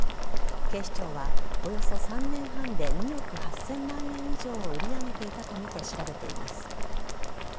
警視庁はおよそ３年半で２億８０００万円以上を売り上げていたとみて調べています。